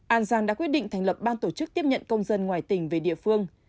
an giang đã quyết định thành lập ban tổ chức tiếp nhận công dân ngoài tỉnh về địa phương